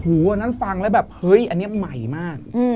อันนั้นฟังแล้วแบบเฮ้ยอันนี้ใหม่มาก